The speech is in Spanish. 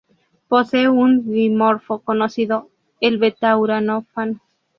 Posee un dimorfo conocido, el Beta-Uranofano.